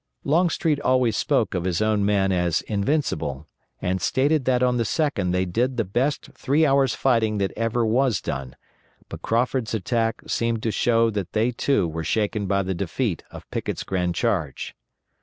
Longstreet always spoke of his own men as invincible, and stated that on the 2d they did the best three hours' fighting that ever was done, but Crawford's* attack seemed to show that they too were shaken by the defeat of Picket's grand charge.